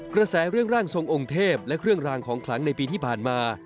กระแสเรื่องร่างทรงองค์เทพและเครื่องรางของขลังในปีที่ผ่านมา